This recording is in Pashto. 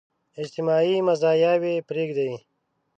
اجتماعي مزاياوې پرېږدي.